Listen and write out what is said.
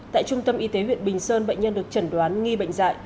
tại trung tâm y tế huyện bình sơn bệnh nhân được chẩn đoán nghi bệnh dại